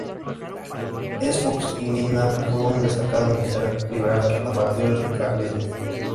Espoz y Mina fue un destacado militar liberal que combatió el carlismo.